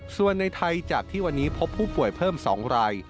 ส่วนในไทยจากที่วันนี้พบผู้ป่วยเพิ่ม๒ราย